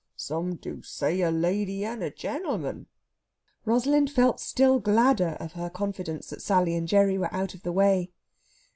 "Some do say a lady and a gentleman." Rosalind felt still gladder of her confidence that Sally and Gerry were out of the way.